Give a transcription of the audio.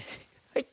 はい。